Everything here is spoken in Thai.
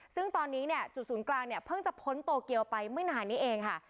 ซึ่งตอนนี้เนี่ยจุดศูนย์กลางเนี่ยเพิ่งจะพ้นโตเกียวไปไม่นานนี้เองค่ะ